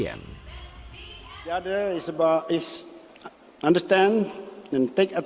yang lain adalah memahami dan mengambil keuntungan